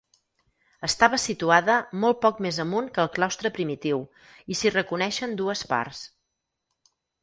Estava situada molt poc més amunt que el claustre primitiu, i s'hi reconeixen dues parts.